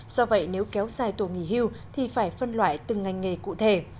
do vậy nếu kéo dài tuổi nghỉ hưu thì phải phân loại từng ngành nghề cụ thể